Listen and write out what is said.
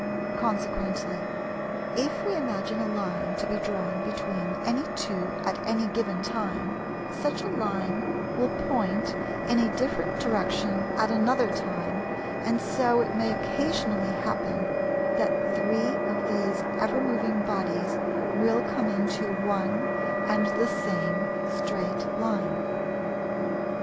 Consequently, if we imagine a line to be drawn between any two at any given time, such a line will point in a different direction at another time, and so it may occasionally happen that three of these ever moving bodies will come into one and the same straight line.